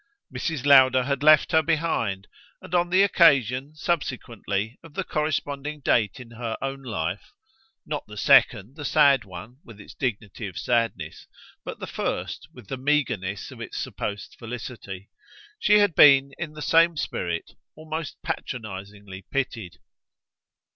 Mrs. Lowder had left her behind, and on the occasion, subsequently, of the corresponding date in her own life not the second, the sad one, with its dignity of sadness, but the first, with the meagreness of its supposed felicity she had been, in the same spirit, almost patronisingly pitied.